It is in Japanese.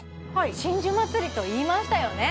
真珠祭りと言いましたよね？